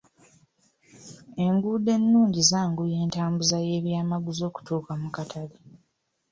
Enguudo ennungi zaanguya entambuza y'ebyamaguzi okutuuka mu katale.